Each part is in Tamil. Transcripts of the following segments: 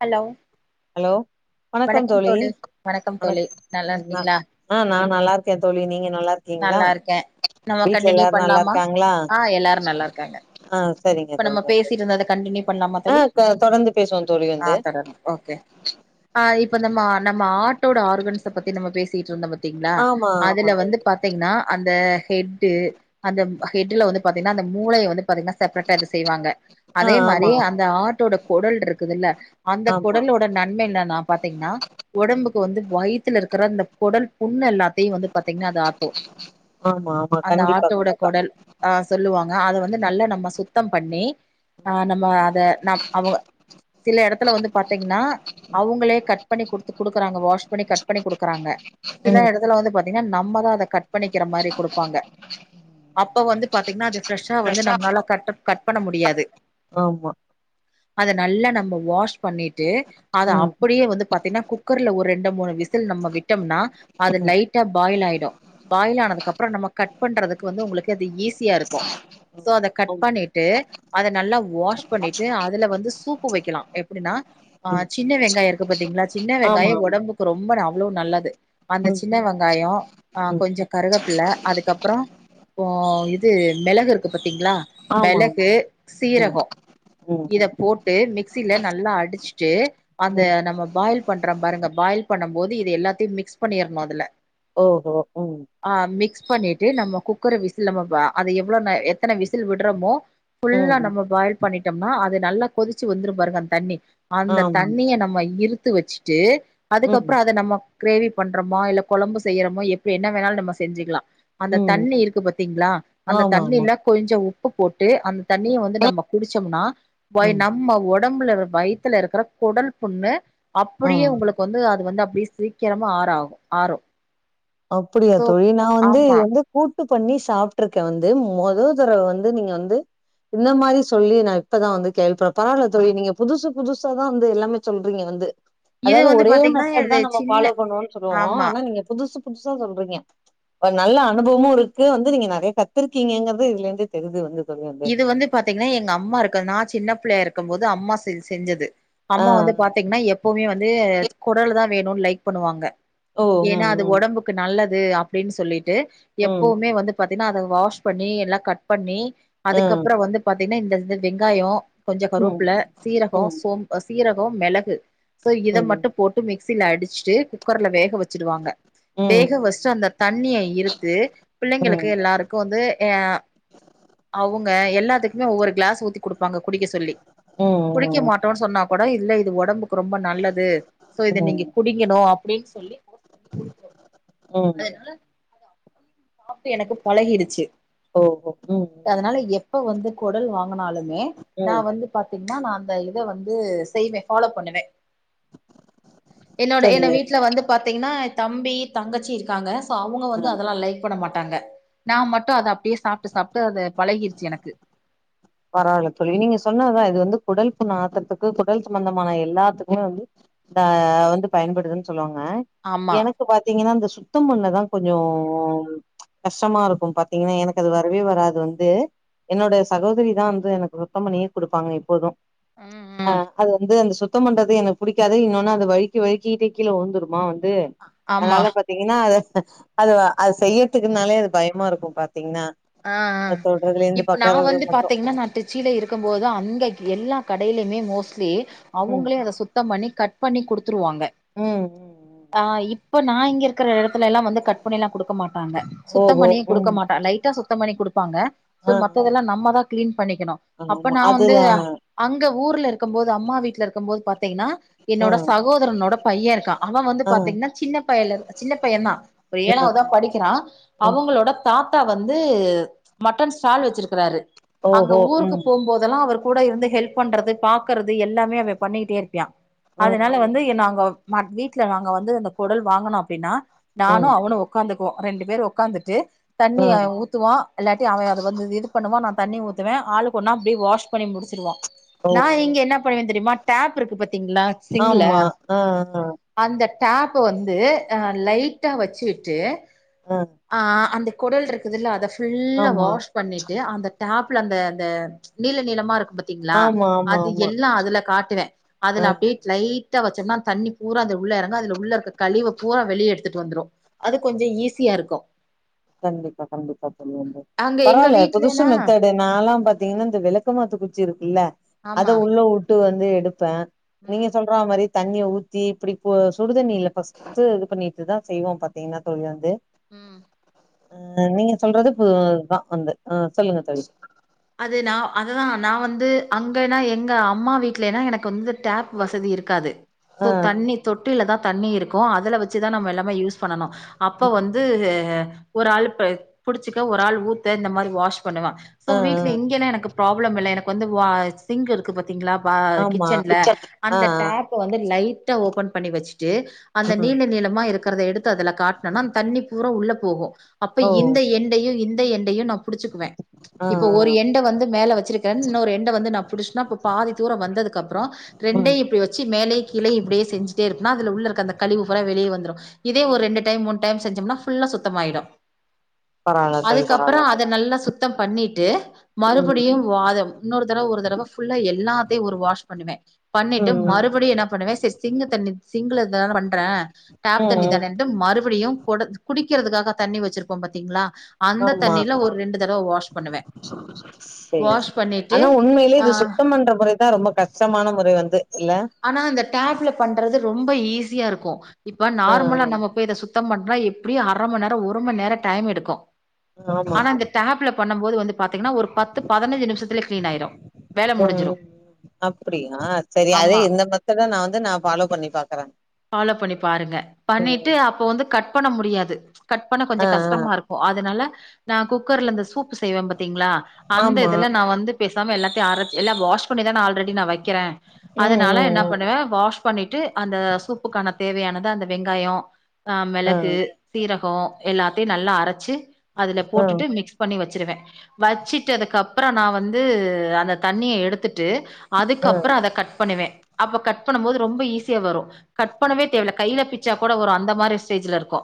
ஹலோ ஹலோ வணக்கம் தோழி வணக்கம் தோழி நல்லா வணக்கம் இருக்கீங்களா நா நா நல்லா இருக்கே தோழி நீங்க நல்லா இருக் நல்லாருக்கே நம்ப கண்டினியூ நல்லா பண்ணலாமா இருக்காங்களா ஆ எல்லாரும் நல்லா இருக்காங்க ஆ சரிங்க இப்ப தோழி நம்ம வந்து பேசிட்டு இருந்தத கண்டினியூ பண்ணலாமா ஆ தோழி தொடர்ந்து பேசுவோம் தோழி வந்து ஆ தொடர்ந்து ஓகே ஆ இப்ப நம்ம நம்ம ஆட்டோட ஆர்கன்ஸ்ச பத்தி நம்ப பேசிட்டு இருந்தோ பாத் தீங்களா ஆமா ஆமா அதுல வந்து தோழி பா த்தீங்னா அந்த ஹெட்டு அந்த ஹெட்டுல வந்து பாத்தீங்னா அந்த மூளைய வந்து பாத்தீங்னா அது செய்வாங்க ஆ அதே ஆமா மாறி அந்த ஆட்டோட குடல் இருக்குதுல்ல அந்த ஆமா ஆமா குடலோட நன்மை என்னான்னா பாத்தீங்னா ம் உடம்புக்கு வந்து வயித்துல இருக்கிற அந்த குடல் புண்ணு எல்லாத்தையு வந்து பாத்தீங்னா அது ஆத்தோ ஆமா ஆமா அந்த கண்டிப்பா ஆட்டோட கண்டிப்பா கொடல் அ சொல்லுவாங்க அத வந்து நல்லா நம்ம சுத்தம் பண்ணி ஆ நம்ம அத ந அவங்க சில இடத்துல வந்து பாத்தீங்னா அவுங்களே கட் பண்ணி குடுத்து குடுக்கறாங்க வாஷ் பண்ணி கட் பண்ணி குடுக்கறாங்க சில ம் எடத்துல வந்து பாத்தீங்னா நம்மதான் அதை கட் பண்ணிக்கிற மாறி குடுப்பாங்க அப்ப வந்து பாத்தீங்னா அது ஃப்ரெஷ்ஷா வந்து நம்மளால கட்ட கட் பண்ண முடியாது ஆமா அத நல்லா நம்ப வாஷ் பண்ணிட்டு அத ம் அப்படியே வந்து பாத்தீங்னா கு க்கர்ல ஒரு ரெண்டு மூணு விசில் நம்ம விட்டோம்னா அது ம் லைட் டா பாயில் ஆயிடும் பாயில் ஆனதுக்குப்கப்பறோ நம்ம கட் பண்றதுக்கு வந்து உங்களுக்கு அது ஈஸியா இருக்கு சோ அத கட் ம் பண்ணிட்டு அத நல்லா வாஷ் பண்ணிட்டு அதுல வந்து சூப்பு வைக்கலா எப்புடின்னா ஆ ம் சின்ன வெங்காயோ இருக்கு பாத்தீங்களா சின்ன வெங்காயோ ஆமா ஆமா உடம்புக்கு ரொம்ப அவ்ளோ நல்லது அந்த ம் சின்ன வெங்காயோ ஆ ம் கொஞ்ச கருகப்பிள்ளை அதுக்கப்பறோ ஓ இது மெளகு இருக்குது பாத்தீங்களா ஆமா ஆமா மெளகு ம் சீரகோ ம் இத ம் போட்டு மிக்சில நல்லா அடிச்சுட்டு அந்த ம் நம்ம பாயில் பண்றோ பாருங்க பாயில் பண்ணும் போது இது எல்லாத்தையு மிக்ஸ் பண்ணிறனு அதுல ஓஹோ ம் ஆ மிக்ஸ் பண்ணிட்டு நம்ம குக்கர விசில் நம்ம ஆ அத எவ்வளோ நே எத்தனை விசில் விடுறோமோ ம் ஃபுல்லா ம் நம்ம பாயில் பண்ணிட்டம்னா அது நல்லா கொதிச்சு வந்துரு பாருங்க அந்த தண்ணி அந்த ஆம் தண்ணிய நம்ம இறுத்து வச்சுட்டு ம் அதுக்கப்பறோ அத நம்ம கிரேவி பண்றோமோ இல்ல கொழம்பு செய்யறோமோ எப்ப என்ன வேணாலு நம்ம செஞ்சுக்கலா அந்த ம் தண்ணி இருக்கு பாத்தீங்களா அந்த ஆமா, ஆமா. தண்ணியில்ல கொஞ்ச உ ப்பு போட்டு அந்த தண்ணிய வந்து நம்ம குடிச்சோம்னா போயி ம். நம்ம ஒ டம்புல இருக்குற வயத்தல இருக்கிற கொடல் புண்ணு ஆ அப்படியே உங்களு வந்து அது வந்து அப்டியே சீக்கிரமா ஆறாகு ஆறு அப்படியா சோ தோழி நா வந்து ஆமா வந்து கூட்டு பண்ணி சாப்ட்ருக்கே வந்து மொத தறவ வந்து நீங்க வந்து இந்த மாரி சொல்லி நா இப்பதா வந்து கேள்விப்பறே பரவால தோழி நீங்க புதுசு புதுசா தா வந்து எல்லாமே சொல்றீங்க வந்து இது அதாவது வந்து ஒரே பாத்தீங்கன்னா மெத்தட்டு இது தா நம்ம சின்ன பாலோ பண்ணோ சொல்லுவோ ஆமா ஆனா நீங்க புதுசு புதுசா சொல்றீங்க ஒரு நல்ல அனுபவமு இருக்கு வந்து நீங்க நெறைய கத்துருக்கீங்கிறது இதுலருந்து தெரிது வந்து தோழி வந்து பாத்தீங்கன்னா எங்கம்மா இருக்க நா சின்ன பிள்ளையா இருக்கும் போது அம்மா செஞ் செஞ்சது ஆ, அம்மா ஆ. வந்து பாத் தீங்கன்னா எப்பவுமே வந்து கொடல் தா வேணு லைக் பண்ணுவாங்க ஓ! ம், ஏன்னா அது ம். ஒடம்புக் க்கு நல்லது அப்படின்னு சொல்லிட்டு ம். எப்பவுமே வந்து பாத்தீங்கன்னா அத வாஷ் பண்ணி எல்லா கட் பண்ணி ஆ. அதுக்கப்பறோ வந்து பாத்தீங்கன்னா இந்த இந்த வெங்காயோ கொஞ்ச ம், கருவப்புல சீரகொ ம், சோம்பு சீரகொ மெளகு சோ இத மட்டு ம், போட் டு மிக்சில அடிச்சுட்டு குக்கர்ல வேக வச்சுடுவாங்க ம், வேக ம். வச்சுட்டு அந்த தண்ணிய இருத்து ம். பிள்ளைங்களுக்கு எல்லாருக்கு வந்து ஏ ஆ அவங்க எல்லாத்துக்குமே ஒவ்வொரு க்ளாஸ் ஊத்தி குடுப்பாங்க குடிக்க சொல்லி ம் குடிக்க மாட்டோம்னு சொன்னா கூட இல்ல இது ஒடம்புக்கு ரொம்ப நல்லது சோ ம் இத ம் நீங்க குடிங்கணு அப்படின்னு சொல்லி போர்ஸ் பண்ணி குடிக்கணு ம் அதனால அத அப்டியே சாப்ட்டு எனக்கு பழகிடுச்சு ஓ ஓ ம் அதனால ம் எப்ப வந்து கொடல் வாங்குனாலுமே நா ம் வந்து பாத்தீங்கன்னா நா அந்த இத வந்து செய்வே ஃபாலோ பண்ணுவே என்னோட என்ன சரிங்க வீட்ல வந்து பாத்தீங்கன்னா தம்பி தங்கச்சி இருக்காங்க சோ அவங்க ஆ வந்து அதெல்லா லைக் பண்ண மாட்டாங்க நா மட்டு அத அப்டியே சாப்ட்டு சாப்ட்டு அத பழகிருச்சு எனக்கு பரவால்ல தோழி நீங்க சொன்னதுதா இது வந்து குடல் புண்ஆத்தத்துக்கு குடல் சம்பந்தமான எல்லாத்துக்குமே வந்து தா வந்து பயன்படுதுன்னு சொல்லுவாங்க ஆமா எனக் இப்ப பாத்தீங்கன்னா அந்த சுத்தம் பண்ணதா கொஞ்சோம் கஷ்டமா இருக்கும் பாத்தீங்கன்னா எனக்கு அது வரவே வராது வந்து என்னோட சகோதரி தா வந்து எனக்கு சுத்தம் பண்ணியே குடுப்பாங்க இப்போது ம் ஆ ம் அது வந்து அந்த சுத் சுத்தம் பண்றது எனக்கு புடிக்காது இன்னொன்னு அது வழு வழுக்கிட்டே கீழ விழுந்துருமா வந்து ஆமா அதனால [inaudible] ங்கன்னா அது அது அது செய்யறதுக்குனாலே அது பயமா இருக்கு பாத்தீங்கன்னா ஆ ஆ அது தொடுறதுல இருந்து இப்ப நான் பாக்கறது வந்து மட்டு பாத்தீங்கன்னா நான் திருச்சியிலருக்கும் போது அங்க எல்லா கடையிலுமே மோஸ்ட்லி ம் அவங்களே அத சுட் சுத்தம் பண்ணி கட் பண்ணி குடுத்துருவாங்க ம் ம் ம் ஆ இப்ப நான் இங்க இருக்கிற இடத்துலல்லாம் வந்து கட் பண்ணில்லாம் கொடுக்க மாட்டாங்க சுத்தம் ஓஹோ பண்ணியும் கொடுக்க ம் மாட்டான் லைட் ட்டா சுத்தம் பண்ணி கொடுப்பாங்க சோ ஆ ஆ மத்ததெல்லாம் நம்மதான் கிளீன் பண்ணிக்கணும் அப்ப ஆமா நான் வந்து அதுல அங்க ஊர்ல இருக்கும் போது அம்மா வீட்டுல இருக்கும் போது பாத்தீங்கன்னா ஆ என்னோட சகோதரனோட பையன் இருக்கான் அவன் வந்து ஆ ஆ பாத்தீங்கன்னா சின்ன பைய சின்ன பையன் தான் ஒரு ஆ. ஏழாவதான் படிக்கிறான் ம் அவங்களோட தாத்தா வந் ந்து மட்டன் ஸ்டால் வச்சிருக்கிறாரு அங்க ஓஹோ ஊருக்கு ம் போகுபோது போதல்லாம் அவர் கூடருந்து ஹெல்ப் பண்றது பாக்கறது எல்லாமே அவே பண்ணிக்கிட்டே இருப்பியா ஆ அதனால வந்து ஓஹோ என்ன அங்க வீட்ல நாங்க வந்து இந்த குடல் வாங்கினோம் அப்டின்னா ம் நானும் அவனும் ஒக் உக்காந்துக்குவோம் ரெண்டு பேர் உக்காந்துட்டு தண்ணி ஆ [unintelligible] ஊத்துவான் இல்லாட்டி அவன் அதை வந்து இது பண்ணுவான் நான் தண்ணி ஊத்துவேன் ஆளுக்கொன்னா அப்டியே வாஷ் பண்ணி முடிச்சுடுவோம் நான் ஓஹோ இங்க என்ன பண்ணுவேன் தெரிமா டேப் இருக்கு பாத்தீங்களா சிங்குள ஆமா ஆ ஆ அந்த டேப்ப வந்து அ லைட்டா வச்சுட்டு ஆ ஆ அந்த குடல் இருக்குதுல்ல அத ஃபுல்லா ஆமா வாஷ் பண்ணிட்டு அந்த டேப்ல அந்த அந்த நீள நீளமா இருக்கும் பா த்திங்ளா ஆமா ஆமா அது ஆமா எல்லாம் அதுல காட்டுவேன் ஆ அதுல அப்டியே லைட்டா வச்சோம்னா தண்ணி பூரா அந்த உள்ள இறங்கும் அதுல உள்ள இருக்க கழிவு பூராம் வெளிய எடுத்துட்டு வந்துடும் அது கொஞ்சம் ஈஸியாருக்கும் கண்டிப்பா கண்டிப்பா தோழி அங்க எங்க பரவால புதுஷா வீட்லனா மெத்தேட நாலாம் பாத்தீங்கன்னா இந்த வெளக்கமாத்து குச்சி இருக்குல்ல ஆமா அத உள்ள விட்டு வந்து எடுப்பேன் நீங்க ம் சொல்றா மாரி தண்ணிய ஊத்தி இப்டி சுடுதண்ணில ஃபஸ்ட்டு இது பண்ணிட்டு தான் செய்வோம் பாத்தீங்கன்னா தோழி வந்து ம் அ நீங்க சொல்றது பு இதான் வந்து அ சொல்லுங்க தோழி அது நான் அதுதான் நான் வந்து அங்கன்னா எங்க அம்மா வீட்லனா எனக்கு வந்து டேப் வசதி இருக்காது சோ ஆ தண்ணி தொட்டில தான் தண்ணி இருக்கும் அதுல வச்சுதான் நம்ம எல்லாமே யூஸ் பண்ணனும் அப்ப வந்து ஒரு ஆள் புடிச்சுக்க ஒரு ஆள் ஊத்த இந்த மாரி வாஷ் பண்ணுவேன் ஸோ ஆ ஆ ஆ வீட்டில் இங்கேல்லாம் எனக்கு ப்ராப்ளம் இல்லை எனக்கு வந்து வா சிங்க் இருக்கு பாத்தீங்ளா ஆமா கிச்சன்ல ஆ ஆ அந்த டேப் ப வந்து லைட்டா ஓபன் பண்ணி வச்சுட்டு அந்த ம் நீள நீளமா இருக்க எடுத்து அதல காட்டினோனா தண்ணி பூரா உள்ள போகும் அப்ப ஓ இந்த எண்டையும் இந்த எண்டையும் நம் புடுச்சுக்குவே ஆ இப்ப ஒரு ஆ எண்ட வந்து மேல வச்சிருக் டன் இன்னொரு எண்ட வந்து நா புடிச்சேனா பாதி தூரோ வந்ததுக்கு அப்றோ ம் ரெண்டையு இப்டி வச்சு மேலே கீழயு இப்டியே செஞ்சிட்டே இருந்தா அதுல உள்ள இருக்க அந்த கழிவு ஃபூரா வெளிய வந்துரு இதே ஆ ஒரு ரெண்டு டைம் மூணு டைம் செஞ்சோம்னா ஃபுல்லா சுத்தமாயிடோ பரவால்ல தோழி அதுக்கப்புற பரவால்ல அத தோழி நல்லா சுத்தம் பண்ணிட்டு ம் மறுபடியு வாதம் இன்னொரு தடவ ஒரு தடவ ஃபுல்லா எல்லாத்தையு ஒரு வாஷ் பண்ணுவே ம் பண்ணிட்டு ம் மறுபடியு என்ன பண்ணுவே செரி சிங்க் தண்ணி சிங்க்ல இருந்து தானே பண்றே டப் ம் தண்ணி ம் தானே [unintelligible] மறுபடியு கொட குடிக்கிறதுக்காக தண்ணீ வச்சிருப்போம் பாத்தீங்களா அந்த தண்ணில ஒரு ரெண்டு தடவ வாஷ் பண்ணுவேன். செரி வாஷ் செரி பண்ணிட்டு ஆனா உண்மையிலே ஆ இது சுத்தம் பன்ற முறை தான் ரொம்ப கஷ்டமான முறை வந்து இல்ல ஆனா அந்த டேப்ல பண்றது ரொம்ப ஈஸியா இருக்கு இப்ப ஆ நார்மலா நம்ப போய் இத சுத் சுத்தம் பண்ணா எப்படியு அர மண் நேரோ ஒரு மண் நேரோ டைம் எடுக்கு ஆ ஆமா ஆனா அங்க டேப்ல பண்ணும் போது வந்து பாத்தீங்கன்னா ஒரு பத்து பதின்சு நிமிஷத்துல கிளீன் ஆயிரு வேல முடிஞ்சிரு அப்படியா சரி அதே ஆமா இந்த பொத்தது நா வந்து நா ஃபாலோ பண்ணி பாக்குறே ஃபாலோ பண்ணி பாருங்க பண்ணிட்டு ம் அப்போ வந்து கட் பண்ண முடியாது கட் பண்ண கொஞ்ச ஆ ஆ கஷ்டமாக இருக் அதனால நா குக்கர்ல இந்த சூப்பு செய்வே பாத்தீங்ளா அந்த ஆமா இதுல நா வந்து பேசாம எல்லாத்தயு அரச் எல்ல வாஷ் பண்ணிதா ஆல்ரெடி நா வைக்கிறே ம் அதனால ம் என்ன ம் பண்ணுவே வாஷ் பண்ணிட்டு அந்த சூப்புக்கான தேவையானத அந்த வெங்காயோ ஆ மெளகு சீரகோ எல்லாத்தையு நல்லா அரச்சு அதுல ஆ போட்டுட்டு மிக்ஸ் பண்ணி வச்சிருவே வச்சுட்டு அதுக்குப்புற நா வந்து அந்த தண்ணிய எடுத்துட்டு ஆ அதுக்கப்புற அத கட் பண்ணுவே அப்ப கட் பண்ணும் போது ரொம்ப ஈஸியா வரு கட் பண்ணவே தேவல்ல கையில பிச்சா கூட வரு அந்த மாரி ஸ்டேஜ்ல இருக்கோ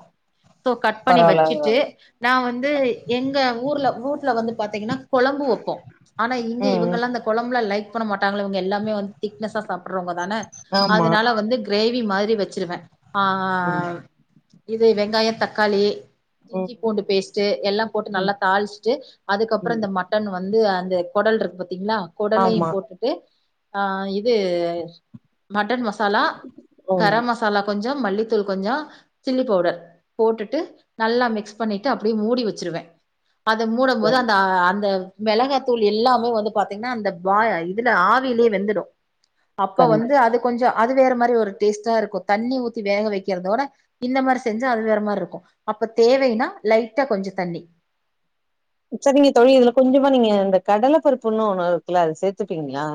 தோ கட் பண்ணி பரவால்ல வச்சுட்டு பரவால்ல நா வந்து எங்க ஊர்ல ஊர்ல வந்து பாத்தீங்கன்னா கொழம்பு வைப்போ ஆனா இங்க ம் ம் இவங்கெல்லா அந்த கொழம்புலா லைக் பண்ண மாட்டாங்களா இவங்க எல்லாமே வந் ஃபிட்னஸா சாப்பிடுறவங்க தான ஆமா அதனால வந்து கிரேவி மாரி வச்சிருவே ஆ ஆ ம் ஆ இது வெங்காய தக்காளி ம் இஞ்சி பூண்டு பேஸ்ட் டு எல்லா போட்டு ம் ம் நல்லா தாளிச்சுட்டு அதுக்கப்புற ம் இந்த மட்டன் வந்து அந்த கொடல் இருக்கு பாத்தீங்களா கொடலையு ஆமா போட்டுட்டு ஆ இது மட்டன் மசாலா ம் கரம் மசா சாலா கொஞ்ச மல்லித்தூள் கொஞ்ச சில்லி பவுடர் போட்டுட்டு நல்லா மிக்ஸ் பண்ணிட்டு அப்படி மூடி வச்சிருவே அத மூடும் போது சரி அந்த அந்த மெளகாத்தூள் எல்லாமே வந்து பாத்தீங்கன்னா அந்த பா இதுல ஆவியிலே வெந்துடு அப்ப வந்து கண்டிப் அது கொஞ்ச அது வேற மாரி ஒரு டேஸ்ட்டா இருக்கோ தண்ணி ஊத்தி வேக வைக்கிறதோட இந்த மாரி செஞ்சா அது வேற மாரி இருக்கோ அப்ப தேவைன்னா லைட்டா கொஞ்ச தண்ணி சரிங்க தோழி இதுல கொஞ்சமா நீங்க இந்த கடல பருப்புன் ஒண்ணு இருக்குல்ல அத சேத்துப்பீங்களா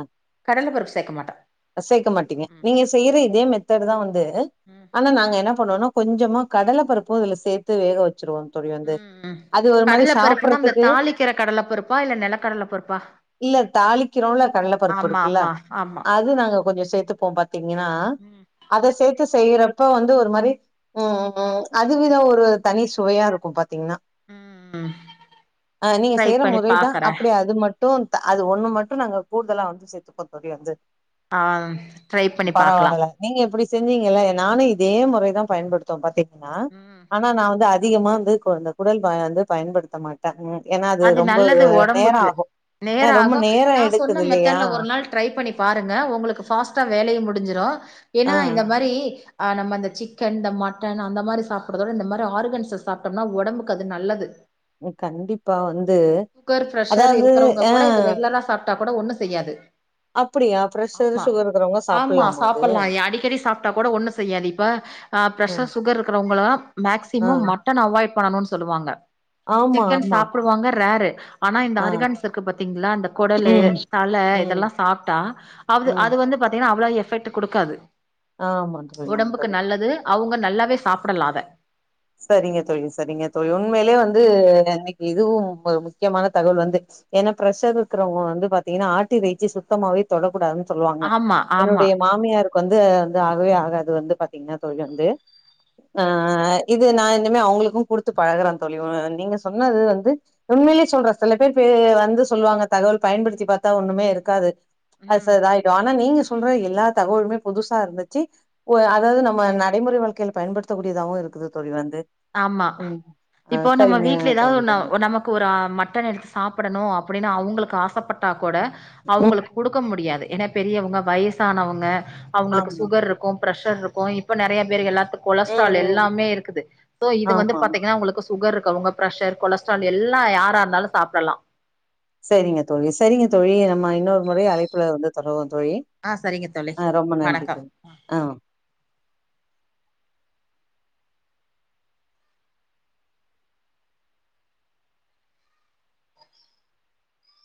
கடல பருப்பு சேக்க மாட் சேக்க மாட்டீங்க நீங்க செய்யுற இதே மெத்த்ட்தா வந்து ம் ஆனா நாங்க என்ன பண்ணோனா கொஞ்சமா கடல பருப்பு இதுல சேத்து வேக வச்சுருவாங் தோழி வந்து ம் ம் அது ஒரு மாரி கடல பருப்புன்னா சாப்பிறக் அந்த தாளிக்கிற கடல பருப்பா இல்ல நெலக்கடல பருப்பா இல்ல தாளிக்கிறோல கடல பருப்பு ஆமா இருக்குல்ல ஆமா ஆமா அத் அது நாங்க கொஞ்ச சேத்துப்போ பாத்தீங்கன்னா ம் அத சேத்து செய்றப்ப வந்து ஒரு மாரி ம் ம் அது வித ஒரு தனி சுவையா இருக்கு பாத்தீங்ன்னா ம் ம் அ நீங்க ட்ரை செய்யற பண்ணி முறைதா பாக்குறே அப்டியே அது மட் ட்டு அது ஒண்ணு மட்டு நாங்க கூடுதலா வந்து சேத்துப்போ தோழி ஆ ட்ரை பண்ணி பாக்லா பரவால்ல நீங்க இப்படி செஞ்சீங்கல நானு இதே முறைதா பயன்படுத்த பாத்தீங்கன்னா ம் ஆனா நா வந்து அதிகமா வந்து இந்த குடல் வந்து பயன்படுத்த மாட் ம் ஏனா அது ரொம்ப நல்லது நேர ஒடம்புக்கு ஆகும் ஆ நேரோ ரொம்ப ஆகு நேர நா சொன்ன எடுக்குது இல்லையா மெத்தட்ல ஒரு நாள் ட்ரை பண்ணி பாருங்க உங்களுக்கு ஃபாஸ்டா வேலையு முடிஞ்சிடு ஏன்னா ஆ இந்த மாரி அ நம்ம இந்த சிக்கன் இந்த மட்டன் அந்த மாரி சாப்ட்றதோட இந்த மாதிரி ஆர்கன்ஸ் சாப்டோம்னா ஒடம்புக்கு அது நல்லது நீ கண்டிப்பா வந்து சுகர் ப்ரெஷர் அதாவது இருக்கிறவங்க ஆ கூட இது ரெகுலராக சாப்ட்டா கூட ஒன்னு செய்யாது அப்டியா ப்ரெஷர் ஆமா சுகர்ரோட ஆமா சாப்டலா அடிக்கடி சாப்டா கூட ஒண்ணு செய்யாது இப்ப ஆ ம் ப்ரெஷர் சுகர் இருக்கறவங்க எல்லா ஆ மேக்சிமம் மட்டன் அவாய்ட் பண்ணணுனு சொல்லுவாங்க ஆமா ஆமா டுவாங்க ரேரு ஆனா இந்த ஆ ஆர்கான்ஸ் இருக்கு பாத்தீங்களா இந்த குடலு ம், தல ம், இதெல்லா சாப்பிட்டா அது ம். அது வந்து பாத்தீங்கன்னா அவ்வள எபெக்ட் கொடுக்காது ஆமா தோழி, ஆமா ஒடம்புக்கு தோழி. நல்லது அவுங்க நல்லாவே சாப்பிடலா அத சரிங்க தோழி சரிங்க தோழி உண்மையிலே வந்து இன்னைக்கி இதுவு ஒரு முக்கியமான தகவல் வந்துச்சு ஏனா பிரசர் இருக்கிறவங்க வந்து பாத்தீன்னா ஆட்டு இறைச்சி சுத்தமாவே தொடக்கூடாதுன்னு சொல்லுவாங்க ஆமா ஆமா என்னுடைய மாமியார் வந்து வந்து ஆகவே ஆகாது வந்து பாத்தீங்கன்னா தோழி வந்து ஆ இது நா இனிமே அவங்களுக்கு குடுத்து பழகுறே தோழி நீங்க சொன்னது வந்து உம்மேலயே சொல்ற சில பேர் பே வந்து சொல்லுவாங்க தகவல் பயன்படுத்தி பாத்தா ஒண்ணுமே இருக்காது அது ச ம் இதாயிடு ஆனா நீங்க சொல்ற எல்லா தகவலுமே புதுசா இருந்துச்சு ஒ அதாவது நம்ம நடைமுறை வாழ்கையில பயன்படுத்த கூடியதாவு இருக்குது தோழி வந்து ஆமா ம் ஆ இப்போ நம்ம சரிங்க வீட்ல ஏதாவது தோழி ஒன்னு நம்ம க்கு ஒரு மட்டன் எடுத்து சாப்பிடணு அப்டின்னு அவங்களுக்கு ஆசப்பட்டா கூட ம் அவங்களுக்கு குடுக்க முடியாது ஏன்னா பெரியவங்க வயசானவங்க அவங்களுக்கு ஆமா சுகர் இருக்கு பிரஷர் இருக்கு இப்ப நெறைய பேர் எல்லாத்துக்கு ம் கொலஸ்ட்ரால் ம் எல்லாமே இருக்குது சோ இது வந்து ஆமா ஆமா பாத்தீங்கன்னா உங்களுக்கு சுகர் இருக்கராவங்க பிரஷர் கொலஸ்ட்ரால் எல்லா யாரா இருந்தாலு சாப்டலா சரிங்க தோழி சரிங்க தோழி நம்ம இன்னொரு முறை அழைப்புல வந்து தொடர்வோ தோழி ஆ சரிங்க தோழி ஆ ரொம்ப நன்றி வணக்கம் தோழி ஆ